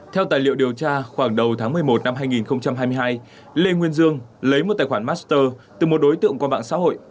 theo tài liệu điều tra khoảng đầu tháng một mươi một năm hai nghìn hai mươi hai lê nguyên dương lấy một tài khoản master từ một đối tượng qua mạng xã hội